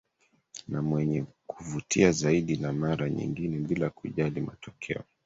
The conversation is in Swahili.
na mwenye kuvutia zaidi na mara nyingine bila kujali matokeo